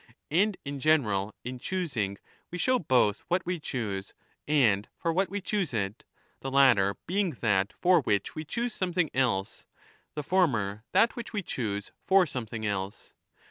And in general, in choosing we show both wHat we choose and for what we choose it, the latter being that for which we choose something else, the former that which we choose for something else.